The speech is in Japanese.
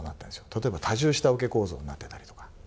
例えば多重下請け構造になってたりとか。